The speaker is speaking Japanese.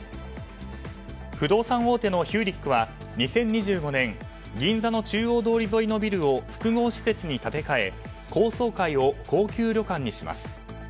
不動産大手のヒューリックは２０２５年銀座の中央通り沿いのビルを複合施設に建て替え高層階を高級旅館にします。